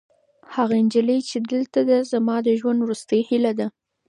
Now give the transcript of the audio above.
هغه نجلۍ چې دلته ده، زما د ژوند وروستۍ هیله ده.